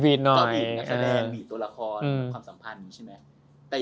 หวีดตัวละครความสัมพันธ์ใช่มั้ย